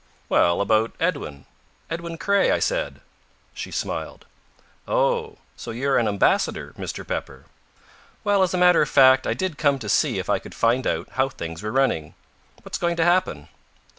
"Well, about Edwin Edwin Craye," I said. She smiled. "Oh! So you're an ambassador, Mr. Pepper?" "Well, as a matter of fact, I did come to see if I could find out how things were running. What's going to happen?"